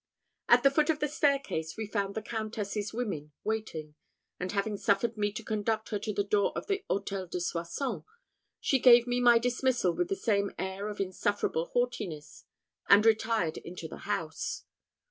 At the foot of the staircase we found the Countess's women waiting; and having suffered me to conduct her to the door of the Hôtel de Soissons, she gave me my dismissal with the same air of insufferable haughtiness, and retired into the house.